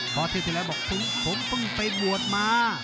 เพราะที่ที่แรกบอกผมเพิ่งไปบวชมา